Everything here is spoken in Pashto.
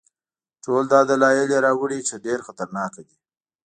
ټول دا دلایل یې راوړي چې ډېر خطرناک دی.